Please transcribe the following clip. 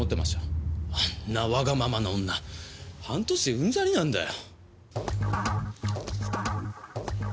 あんなわがままな女半年でうんざりなんだよ。